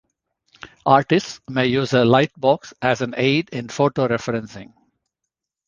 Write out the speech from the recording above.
Artists may use a lightbox as an aid in photo-referencing.